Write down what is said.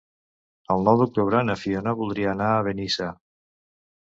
El nou d'octubre na Fiona voldria anar a Benissa.